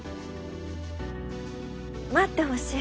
待ってほしい。